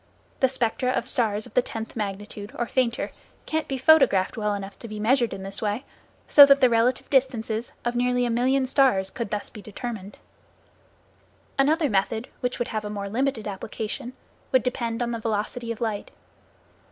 The spectra of stars of the tenth magnitude, or fainter, can be photographed well enough to be measured in this way, so that the relative distances of nearly a million stars could be thus determined. Another method which would have a more limited application, would depend on the velocity of light.